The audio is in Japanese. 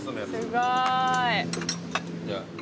すごい。